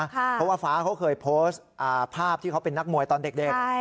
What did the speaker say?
เพราะว่าฟ้าเขาเคยโพสต์ภาพที่เขาเป็นนักมวยตอนเด็ก